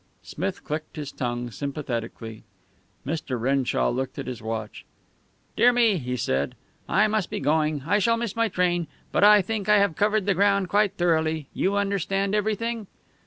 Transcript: Smith clicked his tongue sympathetically. Mr. Renshaw looked at his watch. "Dear me," he said, "I must be going. I shall miss my train. But I think I have covered the ground quite thoroughly. You understand everything?"